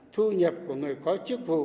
thu nhập của người có chức vụ